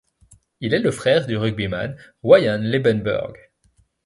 Il est le frère du rugbyman Wiaan Liebenberg.